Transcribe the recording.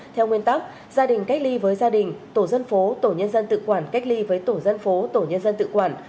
theo nguyên tắc gia đình cách ly với gia đình tổ dân phố tổ nhân dân tự quản cách ly với tổ dân phố tổ nhân dân tự quản